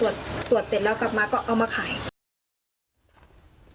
ตรวจตรวจเสร็จแล้วกลับมาก็เอามาขาย